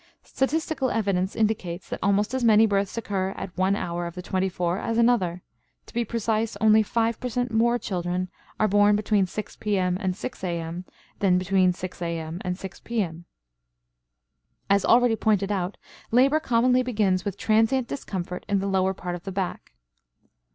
Statistical evidence indicates that almost as many births occur at one hour of the twenty four as another; to be precise, only five per cent. more children are born between 6 P.M. and 6 A.M. than between 6 A.M. and 6 P.M. As already pointed out, labor commonly begins with transient discomfort in the lower part of the back.